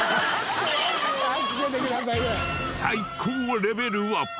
最高レベルは。